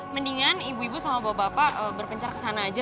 mendingan ibu ibu sama bapak bapak berpencar ke sana aja